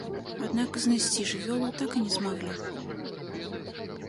Аднак знайсці жывёлу так і не змаглі.